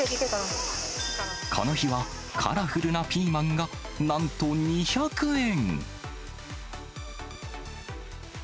この日はカラフルなピーマンがなんと２００円。